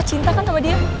cinta kan sama dia